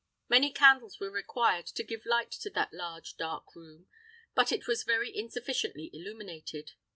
Many candles were required to give light to that large dark room; but it was very insufficiently illuminated.